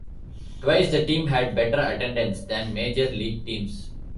Twice, the team had better attendance than major-league teams.